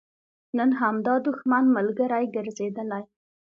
نن همدا دښمن ملګری ګرځېدلی.